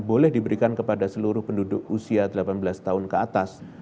boleh diberikan kepada seluruh penduduk usia delapan belas tahun ke atas